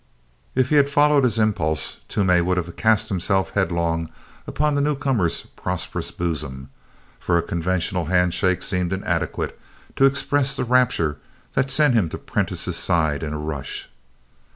If he had followed his impulse, Toomey would have cast himself headlong upon the newcomer's prosperous bosom, for a conventional handshake seemed inadequate to express the rapture that sent him to Prentiss's side in a rush.